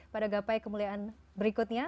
pada gapai kemuliaan berikutnya